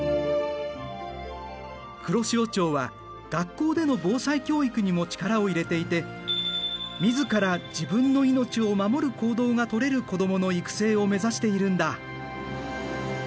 黒潮町は学校での防災教育にも力を入れていて自ら自分の命を守る行動がとれる子どもの育成を目指しているんだ。